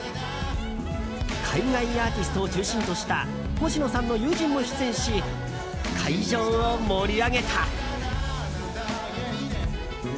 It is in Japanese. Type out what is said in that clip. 海外アーティストを中心とした星野さんの友人も出演し会場を盛り上げた。